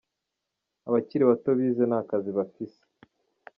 "Abakiri bato bize nta kazi bafise.